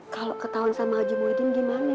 kalo ketahuan sama haji muhyiddin gimana mak